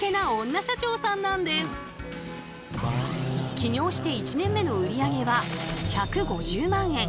起業して１年目の売り上げは１５０万円。